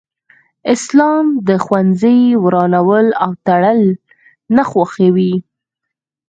اسلام د ښوونځي ورانول او تړل نه خوښوي